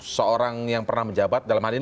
seorang yang pernah menjabat dalam hal ini